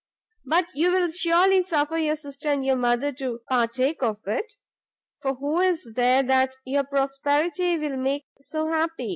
But you will surely suffer your sister and your mother to partake of it? for who is there that your prosperity will make so happy?"